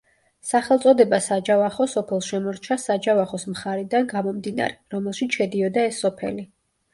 სახელწოდება საჯავახო სოფელს შემორჩა საჯავახოს მხარიდან გამომდინარე, რომელშიც შედიოდა ეს სოფელი.